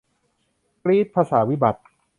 กรี๊ด ภาษาวิบัติ